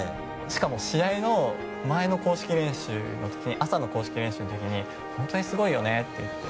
しかも試合の前の公式練習の時朝の公式練習の時に本当にすごいよねって。